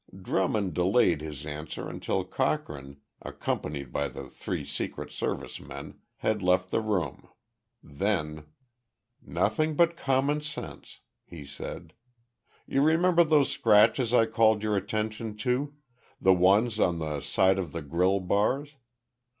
Drummond delayed his answer until Cochrane, accompanied by the three Secret Service men, had left the room. Then "Nothing but common sense," he said. "You remember those scratches I called your attention to the ones on the side of the grille bars?